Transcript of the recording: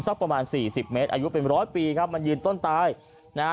เท่าประมาณ๔๐เมตรอายุเป็น๑๐๐ปีครับมันยืนต้นตาย